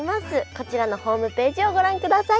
こちらのホームページをご覧ください。